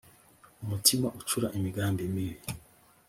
umutima ucura imigambi mibi